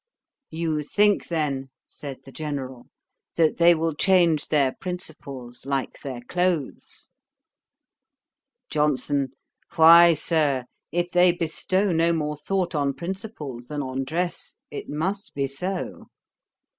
'You think then, (said the General,) that they will change their principles like their clothes.' JOHNSON. 'Why, Sir, if they bestow no more thought on principles than on dress, it must be so.'